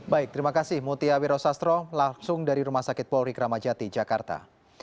baik terima kasih mutia wiro sastro langsung dari rumah sakit polri kramajati jakarta